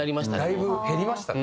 だいぶ減りましたね。